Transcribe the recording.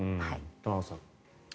玉川さん。